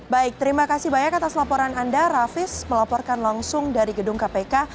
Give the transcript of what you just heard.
baik terima kasih banyak atas laporan anda rafis melaporkan langsung dari gedung kpk